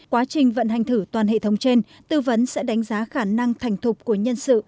quá trình vận hành thử toàn hệ thống trên tư vấn sẽ đánh giá khả năng thành thục của nhân sự